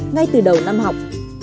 ngay từ đầu năm học